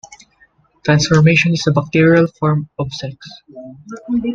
Transformation is a bacterial form of sex.